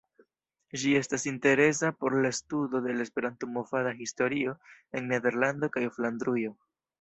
Ĝi estas interesa por la studo de la Esperanto-movada historio en Nederlando kaj Flandrujo.